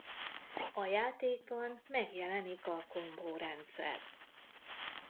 A játékban megjelenik a ’’combo’’ rendszer.